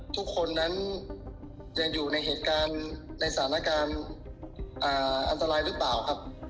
ทุกคนนั้นยังอยู่ในเหตุการณ์ในสถานการณ์อันตรายหรือเปล่าครับ